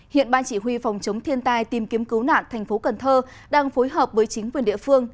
hiện ban chỉ huy phòng chống thiên tai tìm kiếm cứu nạn thành phố cần thơ đang phối hợp với chính quyền địa phương